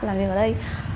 làm việc ở đây